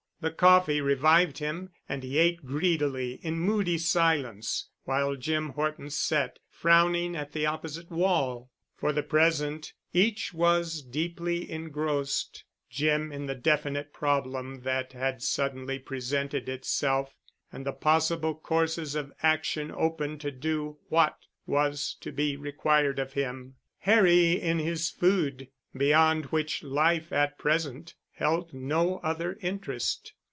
The coffee revived him and he ate greedily in moody silence while Jim Horton sat, frowning at the opposite wall. For the present each was deeply engrossed—Jim in the definite problem that had suddenly presented itself, and the possible courses of action open to do what was to be required of him; Harry in his food, beyond which life at present held no other interest.